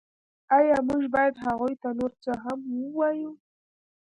ایا موږ باید هغوی ته نور څه هم ووایو